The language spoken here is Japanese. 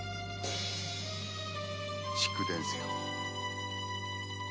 逐電せよ。